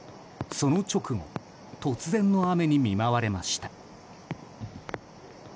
その直後突然の雨に見舞われました。